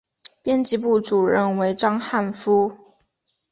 编辑部主任为章汉夫。